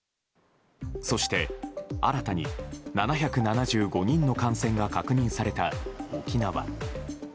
そして、新たに７７５人の感染が確認された沖縄。